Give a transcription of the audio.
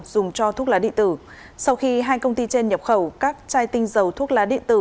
dùng cho thuốc lá điện tử sau khi hai công ty trên nhập khẩu các chai tinh dầu thuốc lá điện tử